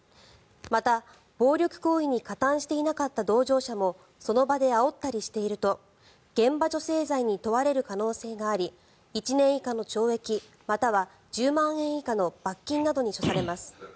また、暴力行為に加担していなかった同乗者もその場であおったりしていると現場助勢罪に問われる可能性があり１年以下の懲役または１０万円以下の罰金などに処されます。